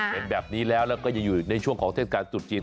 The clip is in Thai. เป็นแบบนี้แล้วแล้วก็ยังอยู่ในช่วงของเทศกาลตรุษจีน